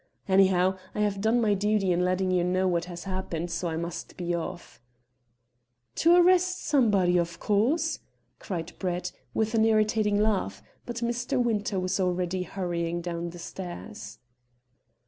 Anyhow, I have done my duty in letting you know what has happened, so I must be off." "To arrest somebody, of course?" cried Brett, with an irritating laugh; but Mr. Winter was already hurrying down the stairs.